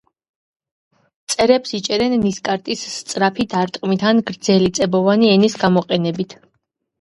მწერებს იჭერენ ნისკარტის სწრაფი დარტყმით ან გრძელი წებოვანი ენის გამოყენებით.